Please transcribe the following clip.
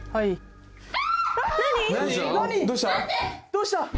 どうした？